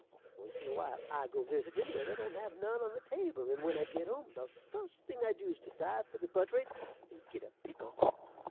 Once in a while I go visitin' where they don't have none on the table, and when I git home the fust thing I dew's to dive for the butt'ry and git a pickle.